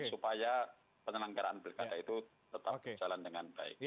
supaya penyelenggaraan pilkada itu tetap berjalan dengan baik